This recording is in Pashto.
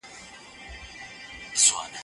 ايا دولتونه د ماشومانو په څېر لويېږي؟